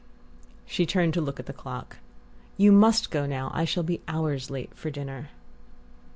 She turned to look at the clock. "You must go now I shall be hours late for dinner."